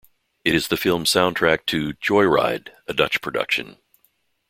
It is the film soundtrack to "Joyride", a Dutch production.